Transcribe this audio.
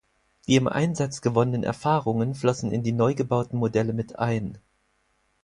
Die im Einsatz gewonnenen Erfahrungen flossen in die neu gebauten Modelle mit ein.